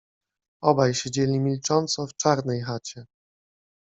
Obaj siedzieli milcząco w czarnej chacie.